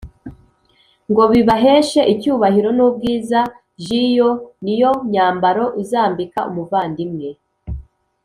ngo bibaheshe icyubahiro n ubwiza j Iyo ni yo myambaro uzambika umuvandimwe